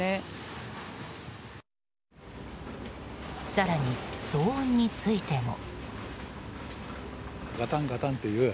更に騒音についても。